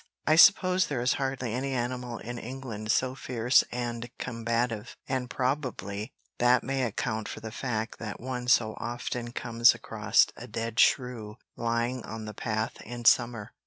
I suppose there is hardly any animal in England so fierce and combative, and probably that may account for the fact that one so often comes across a dead shrew lying on the path in summer.